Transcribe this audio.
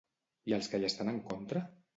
I els que hi estan en contra?